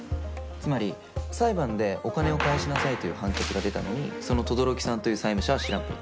つまり裁判でお金を返しなさいという判決が出たのにその轟木さんという債務者は知らんぷり。